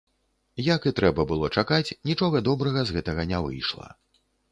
Як і трэба было чакаць, нічога добрага з гэтага не выйшла.